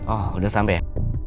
oh udah sampai ya